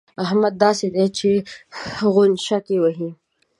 احمد داسې دی چې غوڼاشکې وهي.